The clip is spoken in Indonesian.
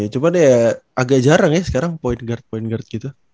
cuma deh agak jarang ya sekarang point guard point guard gitu